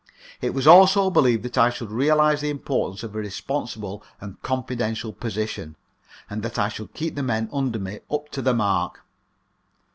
It was also believed that I should realize the importance of a responsible and confidential position, and that I should keep the men under me up to the mark.